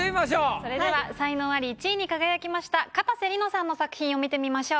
それでは才能アリ１位に輝きましたかたせ梨乃さんの作品を見てみましょう。